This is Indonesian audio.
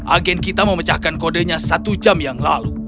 agen kita memecahkan kodenya satu jam yang lalu